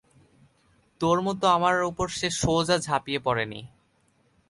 তোর মত সে আমার উপর সোজা ঝাপিয়ে পড়ে নি।